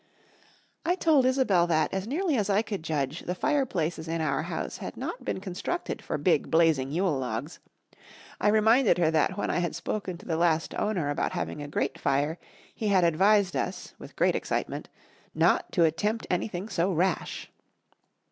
I told Isobel that, as nearly as I could judge, the fireplaces in our house had not been constructed for big, blazing Yule logs. I reminded her that when I had spoken to the last owner about having a grate fire he had advised us, with great excitement, not to attempt anything so rash.